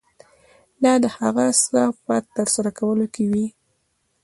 دا د هغه څه په ترسره کولو کې وي.